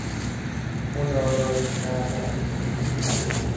خود آرایی کردن